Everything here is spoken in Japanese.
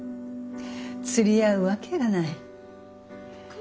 釣り合うわけがない。